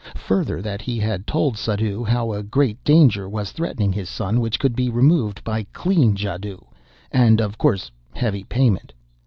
Further, that he had told Suddhoo how a great danger was threatening his son, which could be removed by clean jadoo; and, of course, heavy payment.